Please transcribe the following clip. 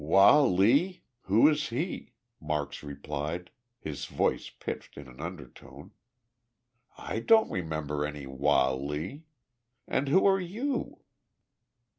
"Wah Lee? Who is he?" Marks replied, his voice pitched in an undertone. "I don't remember any Wah Lee. And who are you?"